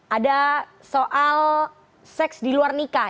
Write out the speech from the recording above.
ada soal seks di luar nikah